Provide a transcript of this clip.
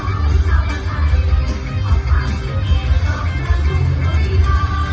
ให้จับผ้าน่าคุ้มโดยร้ายให้ความสบายก็ใจ